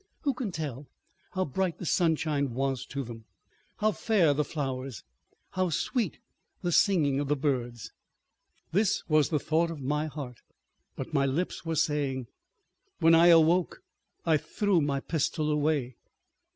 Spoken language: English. Who can tell how bright the sunshine was to them, how fair the flowers, how sweet the singing of the birds? ... This was the thought of my heart. But my lips were saying, "When I awoke I threw my pistol away."